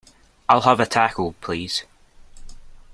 I'll have a Taco, please.